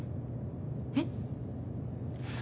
えっ？